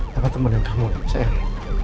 papa temenin kamu sayang